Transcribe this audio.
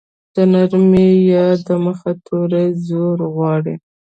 د نرمې ی د مخه توری زور غواړي.